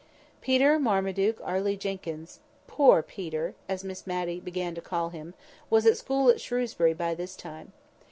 Peter Marmaduke Arley Jenkyns ("poor Peter!" as Miss Matty began to call him) was at school at Shrewsbury by this time.